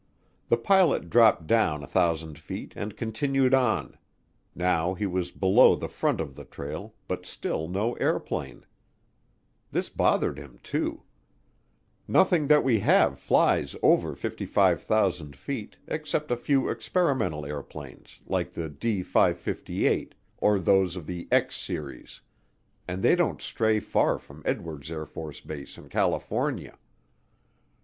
The pilot dropped down 1,000 feet and continued on now he was below the front of the trail, but still no airplane. This bothered him too. Nothing that we have flies over 55,000 feet except a few experimental airplanes like the D 558 or those of the "X" series, and they don't stray far from Edwards AFB in California.